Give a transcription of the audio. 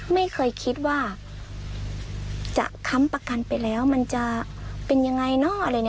ไม่เคยคิดว่าจะค้ำประกันไปแล้วมันจะเป็นยังไงเนอะอะไรอย่างนี้